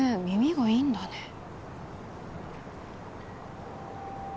耳がいいんだね